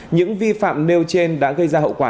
những vi phạm nêu trên đã gây ra hậu quả